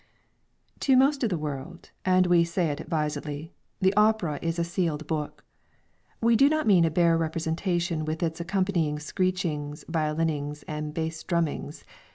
To most of the world (and we say it advisedly,) the opera is a sealed book. We do not mean a bare representation with its accompanying screechings, violinings and bass drummings.